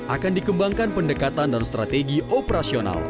akan dikembangkan pendekatan dan strategi operasional